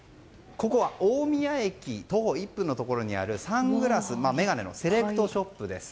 ここは大宮駅徒歩１分の場所にあるサングラス、眼鏡のセレクトショップです。